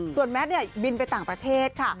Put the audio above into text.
ส่วนแมทบินไปต่างประเทศค่ะ